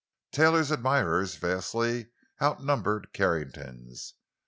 Taylor's admirers vastly outnumbered Carrington's.